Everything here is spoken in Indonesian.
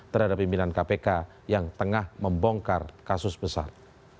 terhadap pimpinan kpk yang tengah membongkar kasus besar